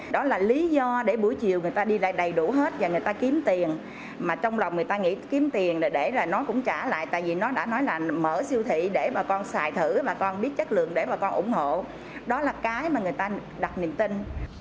đó là lý do để buổi chiều người ta đi lại đầy đủ hết và người ta kiếm tiền mà trong lòng người ta nghỉ kiếm tiền để là nó cũng trả lại tại vì nó đã nói là mở siêu thị để bà con xài thử bà con biết chất lượng để bà con ủng hộ đó là cái mà người ta đặt niềm tin